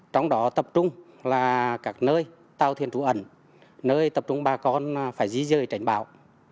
trong đó tập trung là các nơi tàu thiên trú ẩn nơi tập trung bà con phải dí dơi tránh bão